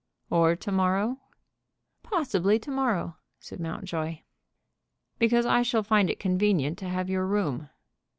"Or to morrow?" "Possibly to morrow," said Mountjoy. "Because I shall find it convenient to have your room."